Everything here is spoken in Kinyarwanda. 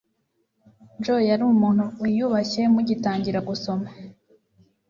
Joe yari umuntu wiyubashye mugitangira gusoma